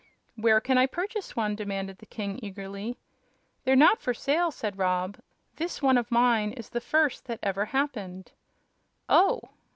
"Where can I purchase one?" demanded the king, eagerly. "They're not for sale," said Rob. "This one of mine is the first that ever happened." "Oh!"